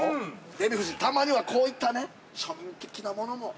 ◆デヴィ夫人、たまにはこういったね、庶民的なものも。